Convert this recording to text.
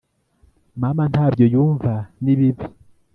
mama ntabyo yumva n’ibi bi